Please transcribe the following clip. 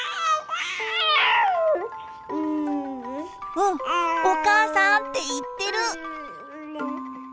うん「おかあさーん」って言ってる！